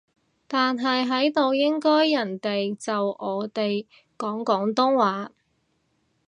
但係喺度應該人哋就我哋講廣東話